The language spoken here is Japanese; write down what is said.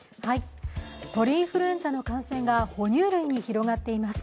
鳥インフルエンザの感染が哺乳類に広がっています。